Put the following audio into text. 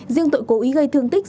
riêng tội cố ý gây thương tích